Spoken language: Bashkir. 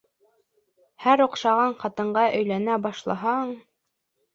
Һәр оҡшаған ҡатынға өйләнә башлаһаң...